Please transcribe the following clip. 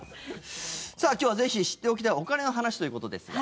さあ、今日はぜひ知っておきたいお金の話ということですが。